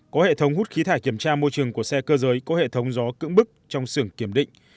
có hệ thống hút khí thải kiểm tra môi trường của xe cơ giới có hệ thống gió cững bức trong xưởng kiểm định